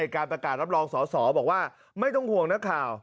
การประกาศรับรองสอสอบอกว่าไม่ต้องห่วงนักข่าว